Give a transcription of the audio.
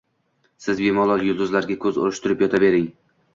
Siz bemalol yulduzlarga ko‘z urishtirib yotavering